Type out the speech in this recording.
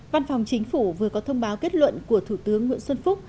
văn phòng chính phủ vừa có thông báo kết luận của thủ tướng nguyễn xuân phúc